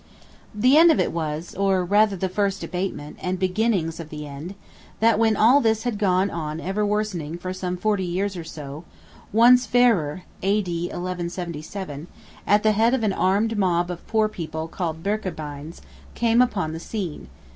The end of it was, or rather the first abatement, and beginnings of the end, That, when all this had gone on ever worsening for some forty years or so, one Sverrir (A.D. 1177), at the head of an armed mob of poor people called Birkebeins, came upon the scene.